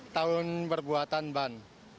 tahun perbuatan ban